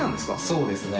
そうですね。